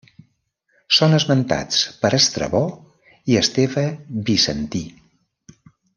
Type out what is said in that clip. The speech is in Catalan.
Són esmentats per Estrabó i Esteve Bizantí.